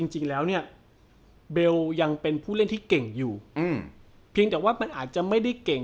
จริงแล้วเนี่ยเบลยังเป็นผู้เล่นที่เก่งอยู่เพียงแต่ว่ามันอาจจะไม่ได้เก่ง